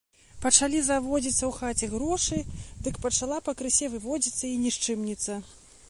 Пачалі заводзіцца ў хаце грошы, дык пачала пакрысе выводзіцца і нішчымніца.